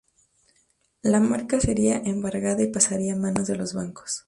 La marca sería embargada y pasaría a manos de los bancos.